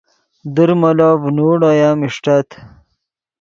در مولو ڤینوڑ اویم اݰٹت